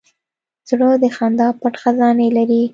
زړه د خندا پټ خزانې لري.